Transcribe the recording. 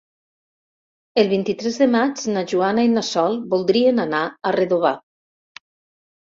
El vint-i-tres de maig na Joana i na Sol voldrien anar a Redovà.